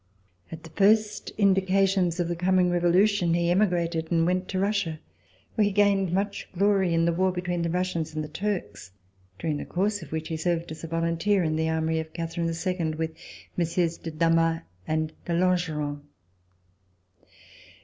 At the first in(Hcations of the coming Revolution, he emigrated and went to Russia, where he gained much glory in the war between the Russians and the Turks, during the course of which he served as a volunteer in the army of Catherine II with MM. de Damas and de Langeron.